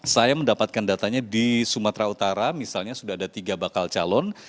saya mendapatkan datanya di sumatera utara misalnya sudah ada tiga bakal calon